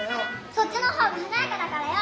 そっちの方がはなやかだからよ！